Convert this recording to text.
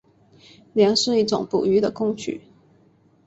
梁是一种捕鱼的工具。